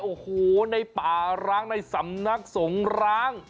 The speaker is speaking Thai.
โอ้โหในป่าร้างในสำนักสงร้าง